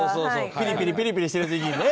ピリピリピリピリしてる時期にね。